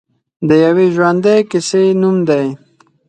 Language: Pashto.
د یوې ژوندۍ کیسې نوم دی.